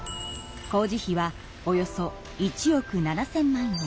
工事費はおよそ１億７，０００万円。